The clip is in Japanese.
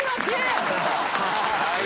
はい。